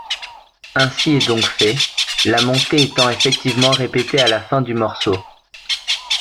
Ainsi est donc fait, la montée étant effectivement répétée à la fin du morceau.